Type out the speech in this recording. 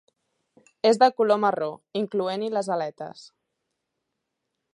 És de color marró, incloent-hi les aletes.